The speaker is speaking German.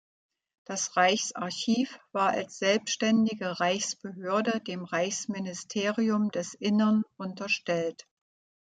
Das Reichsarchiv war als selbstständige Reichsbehörde dem Reichsministerium des Innern unterstellt.